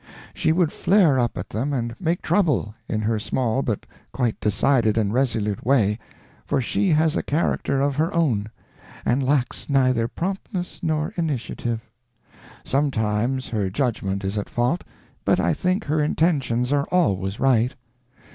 She would flare up at them and make trouble, in her small but quite decided and resolute way; for she has a character of her own, and lacks neither promptness nor initiative. Sometimes her judgment is at fault, but I think her intentions are always right.